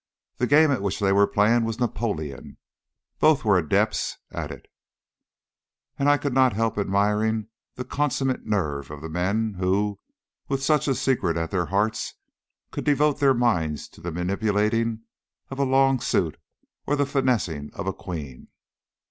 The game at which they were playing was "Napoleon." Both were adepts at it, and I could not help admiring the consummate nerve of men who, with such a secret at their hearts, could devote their minds to the manipulating of a long suit or the finessing of a queen.